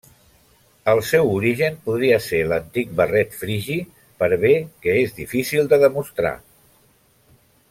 El seu origen podria ser l'antic barret frigi, per bé que és difícil de demostrar.